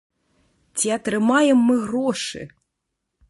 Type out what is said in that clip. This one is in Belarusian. Ці атрымаем мы грошы?